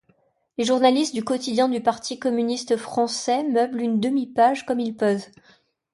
Les journalistes du quotidien du Parti communiste français meublent une demi-page comme ils peuvent.